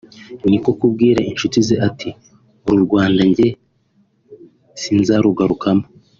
niko kubwira inshuti ze ati ’uru Rwanda jye sinzarugarukamo